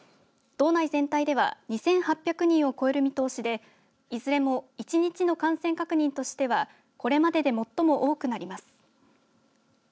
道内全体では２８００人を超える見通しでいずれも１日の感染確認としてはこれまでで最も多くなります。